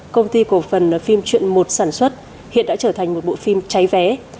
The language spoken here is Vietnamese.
công ty cổ phần phim chuyện một sản xuất hiện đã trở thành một bộ phim cháy vé